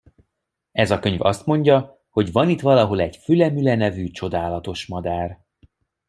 Ez a könyv azt mondja, hogy van itt valahol egy fülemüle nevű csodálatos madár!